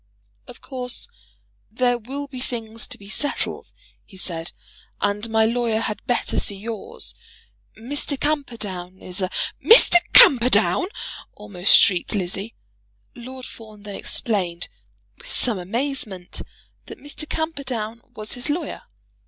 "Of course there will be things to be settled," he said, "and my lawyer had better see yours. Mr. Camperdown is a " "Mr. Camperdown!" almost shrieked Lizzie. Lord Fawn then explained, with some amazement, that Mr. Camperdown was his lawyer.